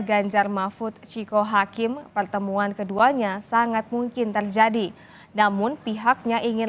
ganjarmafut chico hakim pertemuan keduanya sangat mungkin terjadi namun pihaknya ingin